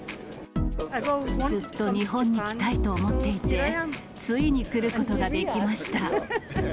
ずっと日本に来たいと思っていて、ついに来ることができました。